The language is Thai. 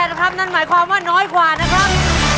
แล้วครับนั่นหมายความว่าน้อยกว่านะครับ